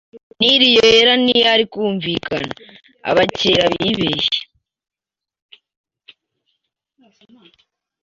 Nili Yera ntiyari yunvikana. Abakera bibeshye